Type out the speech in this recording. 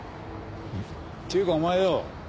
っていうかお前よ